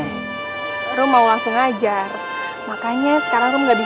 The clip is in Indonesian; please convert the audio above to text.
besar korean baron gue mana kali itu kalok udah harus jalan caruber dengan kudok